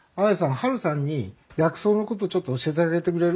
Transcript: ハルさんに薬草のことちょっと教えてあげてくれる？